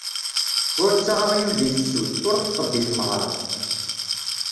Ur ttaɣ aɣyul deg tefsut, ur xeṭṭeb deg tmeɣra.